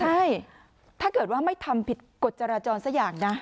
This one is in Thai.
ใช่ถ้าเกิดว่าไม่ทำผิดกฎจราจรสักอย่างนะ